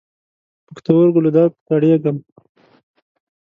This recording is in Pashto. پښتورګو له درد کړېږم.